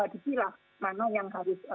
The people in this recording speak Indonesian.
dipilah mana yang harus